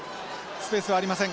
スペースはありません。